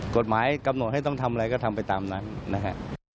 กฎหมายกำหนดให้ต้องทำอะไรก็ทำไปตามนั้นนะครับ